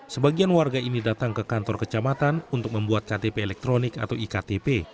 sebagian warga ini datang ke kantor kecamatan untuk membuat ktp elektronik atau iktp